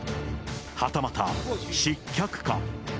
はたまた失脚か。